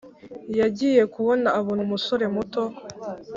yagiye kubona abona umusore muto